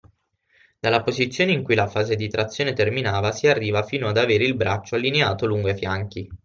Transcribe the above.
Dalla posizione in cui la fase di trazione terminava si arriva fino ad avere il braccio allineato lungo i fianchi.